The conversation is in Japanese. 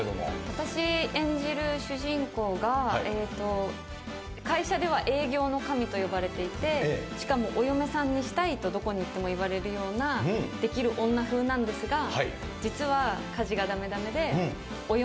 私演じる主人公が会社では営業の神と呼ばれていてしかもお嫁さんにしたいとどこに行っても言われるようなできる女風なんですが実は。